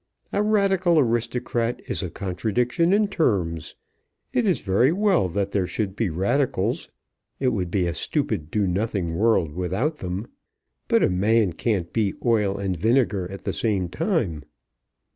A radical aristocrat is a contradiction in terms. It is very well that there should be Radicals. It would be a stupid do nothing world without them. But a man can't be oil and vinegar at the same time."